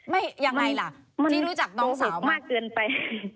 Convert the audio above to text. ไม่ยังไงล่ะที่รู้จักน้องสาวมันโปรหิตมากเกินไป